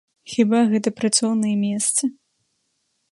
Хіба гэта працоўныя месцы?!